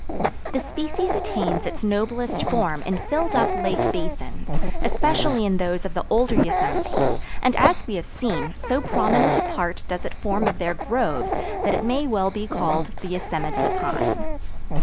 The species attains its noblest form in filled up lake basins, especially in those of the older yosemites, and as we have seen, so prominent a part does it form of their groves that it may well be called the Yosemite Pine.